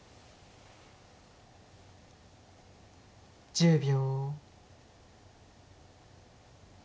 １０秒。